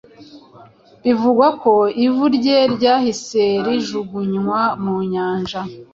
bivugwa ko ivu rye ryahise rijugunywa mu Nyanja